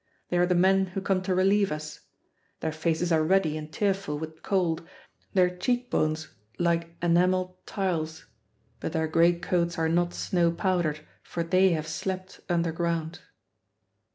They are the men who come to relieve us. Their faces are ruddy and tearful with cold, their cheek bones like enameled tiles; but their greatcoats are not snow powdered, for they have slept underground.